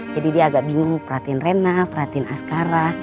jadi dia agak bingung perhatian reina perhatian askara